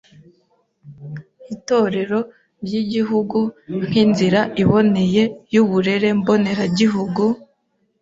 Itorero ry’Igihugu nk’inzira iboneye y’uburere mboneragihugu,